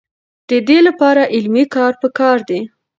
د دې لپاره علمي کار پکار دی.